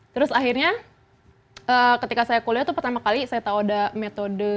terus akhirnya ketika saya kuliah tuh pertama kali saya tahu ada metode